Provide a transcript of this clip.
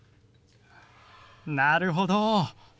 なるほど。